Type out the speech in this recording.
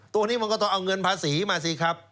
ตัวนี้มันก็ต้องเอาเงินภาษีมาสิครับ